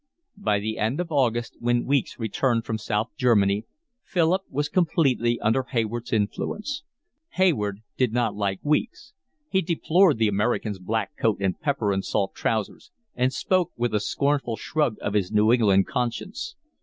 By the end of August, when Weeks returned from South Germany, Philip was completely under Hayward's influence. Hayward did not like Weeks. He deplored the American's black coat and pepper and salt trousers, and spoke with a scornful shrug of his New England conscience.